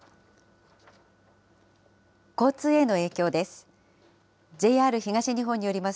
交通への影響です。